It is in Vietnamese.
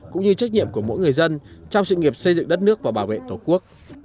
cũng như trách nhiệm của mỗi người dân trong sự nghiệp xây dựng đất nước và bảo vệ tổ quốc